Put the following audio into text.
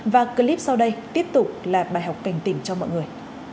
và clip sau đây tiếp tục là bài học cảnh tỉnh cho mọi người